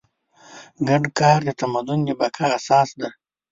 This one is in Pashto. ګډ کار د تمدن د بقا اساس دی.